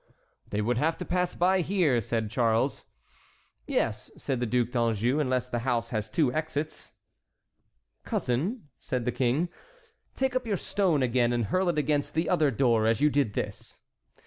"They would have to pass by here," said Charles. "Yes," said the Duc d'Anjou, "unless the house has two exits." "Cousin," said the King, "take up your stone again and hurl it against the other door as you did at this."